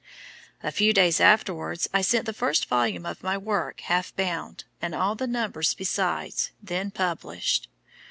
"A few days afterwards I sent the first volume of my work half bound, and all the numbers besides, then published.